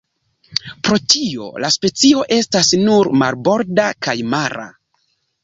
Pro tio la specio estas nur marborda kaj mara.